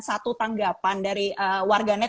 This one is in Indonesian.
satu tanggapan dari warganet